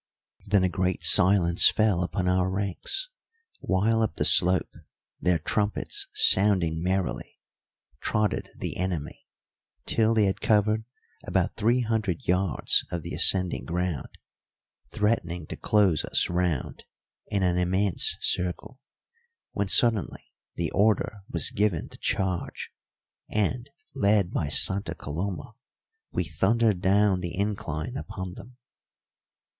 Then a great silence fell upon our ranks; while up the slope, their trumpets sounding merrily, trotted the enemy, till they had covered about three hundred yards of the ascending ground, threatening to close us round in an immense circle, when suddenly the order was given to charge, and, led by Santa Coloma, we thundered down the incline upon them.